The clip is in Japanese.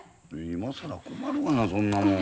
今更困るがなそんなもん。